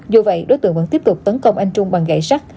dù vậy đối tượng vẫn tiếp tục tấn công anh trung bằng gậy sắt